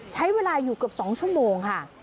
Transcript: ใช้เวลาอยู่เกือบ๒ชั่วโมงค่ะ